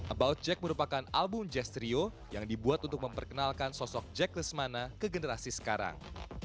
about jack merupakan album jazz trio yang dibuat untuk memperkenalkan sosok jack lesmana ke generasi sekarang